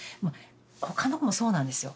他の子もそうなんですよ。